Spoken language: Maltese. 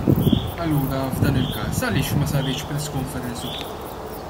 Allura f'dan il-każ għaliex ma saritx press conference ukoll?